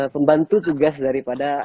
pembantu tugas daripada